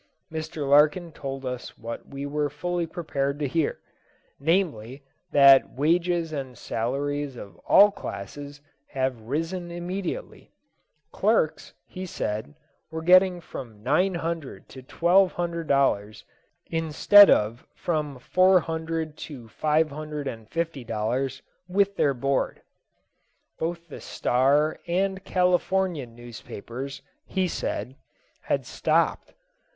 Mr. Larkin told us what we were fully prepared to hear, namely, that wages and salaries of all classes have risen immensely; clerks, he said, were getting from nine hundred to twelve hundred dollars, instead of from four hundred to five hundred and fifty dollars, with their board. Both the Star and Californian newspapers, he said, had stopped.